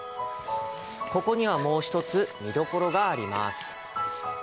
ここには、もう一つ見どころがあります。